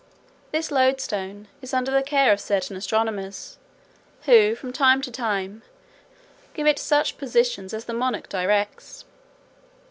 This loadstone is under the care of certain astronomers, who, from time to time, give it such positions as the monarch directs.